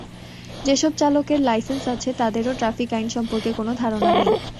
যেসব চালকের লাইসেন্স আছে, তাঁদেরও ট্রাফিক আইন সম্পর্কে কোনো ধারণা নেই।